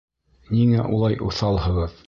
Ниңә улай уҫалһығыҙ?